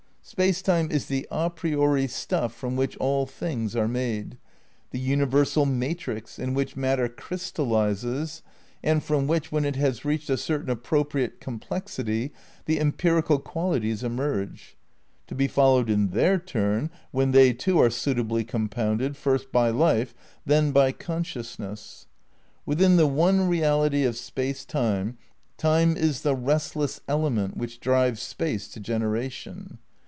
Space Time is the a priori stuff from which all things are made, the universal "matrix" in which matter "crystallises" and from which, when it has reached a certain appro priate complexity, the empirical qualities emerge; to be followed in their turn, when they too are suitably compounded, first by life, then by consciousness. Within the one reality of Space Time, Time is the "restless element" which drives Space to generation.